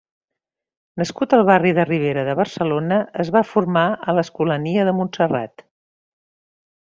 Nascut al barri de Ribera de Barcelona, es va formar a l'Escolania de Montserrat.